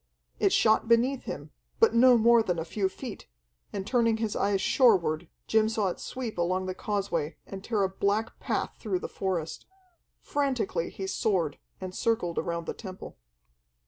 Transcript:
It shot beneath him, but no more than a few feet, and turning his eyes shoreward, Jim saw it sweep along the causeway and tear a black path through the forest. Frantically he soared, and circled around the temple.